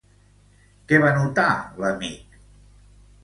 Què va notar l'amic?